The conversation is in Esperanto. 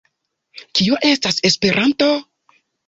Kio estas Esperanto?